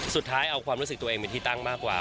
สุดท้ายเอาความรู้สึกตัวเองเป็นที่ตั้งมากกว่า